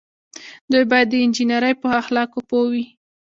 دوی باید د انجنیری په اخلاقو پوه وي.